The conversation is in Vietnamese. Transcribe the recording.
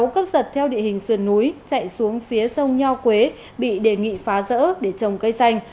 cấp giật theo địa hình sườn núi chạy xuống phía sông nho quế bị đề nghị phá rỡ để trồng cây xanh